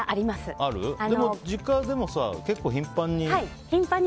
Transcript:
実家でも結構頻繁に。